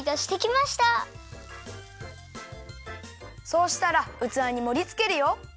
そうしたらうつわにもりつけるよ。